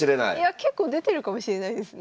結構出てるかもしれないですね。